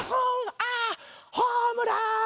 あホームラン！